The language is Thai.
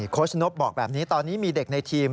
ชนกบอกแบบนี้ตอนนี้มีเด็กในทีม